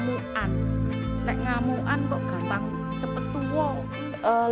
nek ngamuan kok gampang cepet tuh